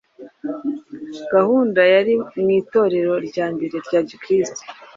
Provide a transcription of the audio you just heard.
Gahunda yari mu Itorero rya mbere rya Gikristo